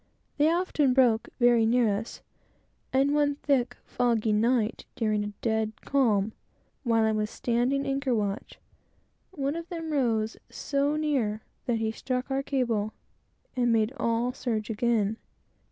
They often "broke" very near us; and one thick, foggy night, during a dead calm, while I was standing anchor watch, one of them rose so near, that he struck our cable, and made all surge again.